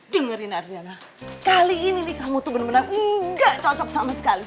dengerin adriana kali ini kamu tuh benar benar gak cocok sama sekali